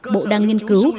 bộ đang nghiên cứu